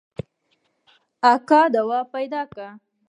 اگه دوا پيدا که.